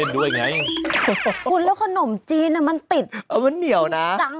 ก็บอกว่ามีแค่ขนมจีนอันนี้แค่ขนมจีน